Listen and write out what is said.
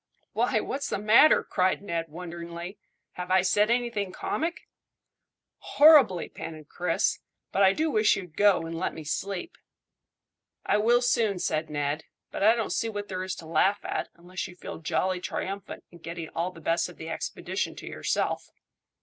"Why, what's the matter?" cried Ned wonderingly. "Have I said anything comic?" "Horribly," panted Chris; "but I do wish you'd go, and let me sleep." "I will soon," said Ned; "but I don't see what there is to laugh at, unless you feel jolly triumphant at getting all the best of the expedition to yourself."